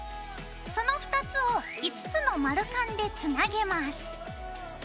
その２つを５つの丸カンでつなげます。